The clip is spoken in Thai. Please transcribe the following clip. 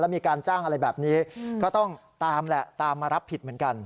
มีการจ้างอะไรแบบนี้ก็ต้องตามแหละตามมารับผิดเหมือนกัน